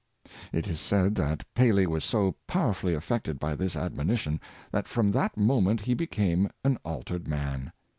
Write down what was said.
It is said that Paley was so powerfully affected by this admonition, that from that moment he became an altered man.